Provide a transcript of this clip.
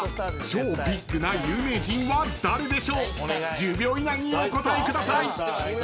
［１０秒以内にお答えください］